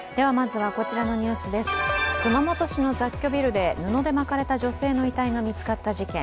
熊本市の雑居ビルで布で巻かれた女性の遺体が見つかった事件。